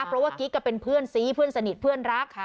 เพราะว่ากิ๊กก็เป็นเพื่อนซีเพื่อนสนิทเพื่อนรัก